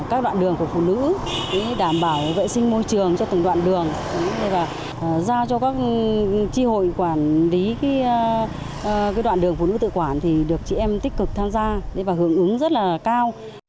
các đoạn đường của phụ nữ đảm bảo vệ sinh môi trường cho từng đoạn đường và giao cho các tri hội quản lý đoạn đường phụ nữ tự quản thì được chị em tích cực tham gia và hưởng ứng rất là cao